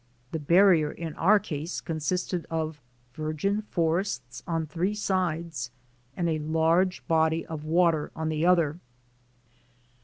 The barrier in our case consisted of virgin forests on three sides and a large body of water on the other.